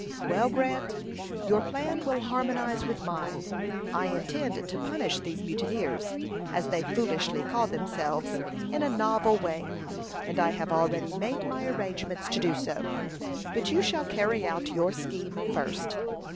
"Well, Grant, your plan will harmonize with mine. I intend to punish these mutineers, as they foolishly call themselves, in a novel way; and I have already made my arrangements to do so. But you shall carry out your scheme first."